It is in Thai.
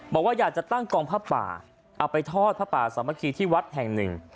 บอกว่าอยากจะตั้งกองผ้าป่าเอาไปทอดผ้าป่าสามัคคีที่วัดแห่งหนึ่ง